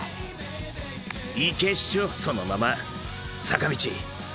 いけっショそのまま坂道！